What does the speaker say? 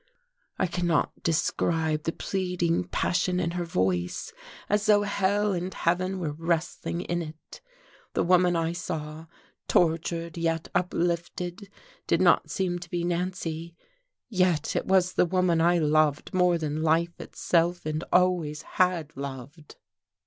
I cannot describe the pleading passion in her voice, as though hell and heaven were wrestling in it. The woman I saw, tortured yet uplifted, did not seem to be Nancy, yet it was the woman I loved more than life itself and always had loved.